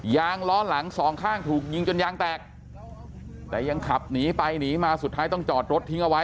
ล้อหลังสองข้างถูกยิงจนยางแตกแต่ยังขับหนีไปหนีมาสุดท้ายต้องจอดรถทิ้งเอาไว้